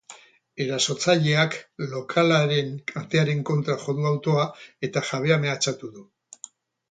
Erasotzaileak lokalaren atearen kontra jo du autoa eta jabea mehatxatu du.